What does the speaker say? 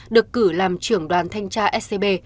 được cử làm trưởng đoàn thanh tra scb